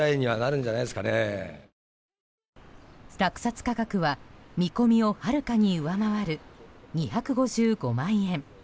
落札価格は見込みをはるかに上回る２５５万円。